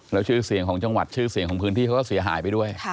แล้วชื่อเสียงของจังหวัดชื่อเสียงของพื้นที่เขาก็เสียหายไปด้วย